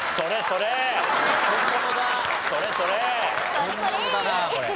それそれ！